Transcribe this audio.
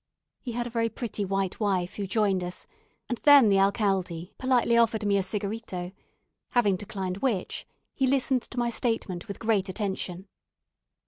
He had a very pretty white wife, who joined us; and then the alcalde politely offered me a cigarito having declined which, he listened to my statement with great attention.